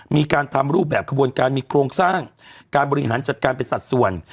มีการทำรูปแบบขบวนการมีโครงสร้างการบริหารจัดการเป็นสัดส่วน